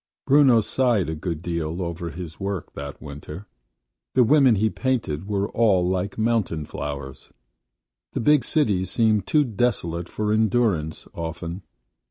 Bruno sighed a good deal over his work that winter. The women he painted were all like mountain flowers. The big city seemed too desolate for endurance often.